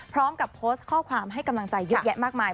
พร้อมกับโพสต์ข้อความให้กำลังใจเยอะแยะมากมาย